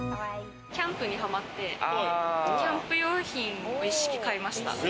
キャンプにハマって、キャンプ用品を一式買いました。